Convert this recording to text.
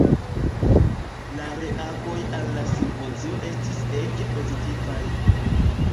La reagoj al la simpozio estis ege pozitivaj.